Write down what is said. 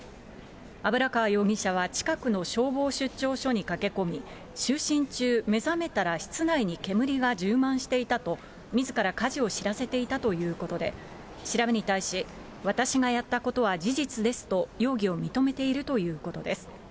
油川容疑者は近くの消防出張所に駆け込み、就寝中、目覚めたら室内に煙が充満していたと、みずから火事を知らせていたということで、調べに対し、私がやったことは事実ですと容疑を認めているということです。